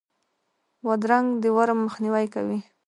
بادرنګ د ورم مخنیوی کوي.